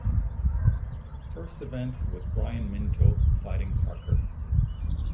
First event with Brian Minto fighting Parker.